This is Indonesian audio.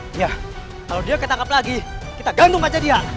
kalau dia ketangkap lagi kita gantung aja dia